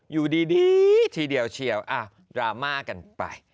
อยู่ดีทีเดียวเชียวดราม่ากันไป